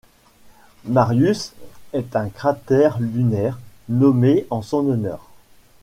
Marius est un cratère lunaire nommé en son honneur.